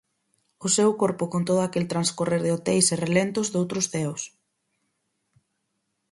O seu corpo con todo aquel transcorrer de hoteis e relentos doutros ceos.